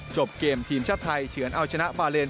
จบเกมทีมชาติไทยเฉือนเอาชนะบาเลน